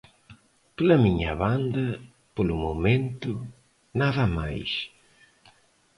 Pola miña banda, polo momento, nada máis.